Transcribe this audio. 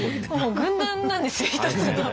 軍団なんですよ一つの。